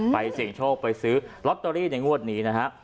เสี่ยงโชคไปซื้อลอตเตอรี่ในงวดนี้นะฮะ